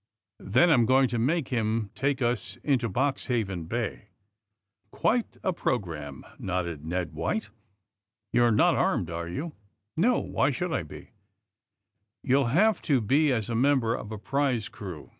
Then I'm going to make him take ns into Boxhaven Bay." *^ Quite a programme," nodded Ned White. '^You're not armed, are you?" No; why should I be! " '^You'll have to be, as a member of a prize crew.